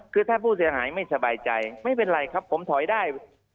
คือถ้าผู้เสียหายไม่สบายใจไม่เป็นไรครับผมถอยได้